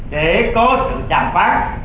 để có sự tràm phán